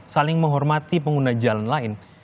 saling menghormati pengguna jalan lain